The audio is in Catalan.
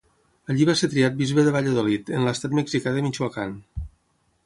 Allí va ser triat bisbe de Valladolid, en l'estat mexicà de Michoacán.